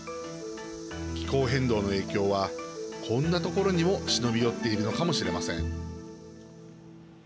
気候変動の影響はこんなところにも忍び寄っているのかもしれません。